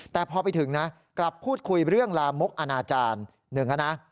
แต่พอไปถึงนะกลับพูดคุยเรื่องลามกอนาจารย์หนึ่งนะ